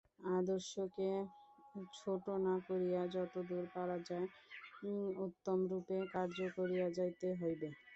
আদর্শকে ছোট না করিয়া যতদূর পারা যায় উত্তমরূপে কার্য করিয়া যাইতে হইবে।